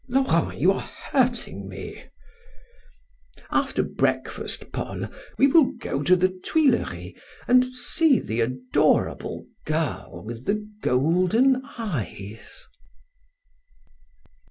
Laurent, you are hurting me! After breakfast, Paul, we will go to the Tuileries and see the adorable girl with the golden eyes."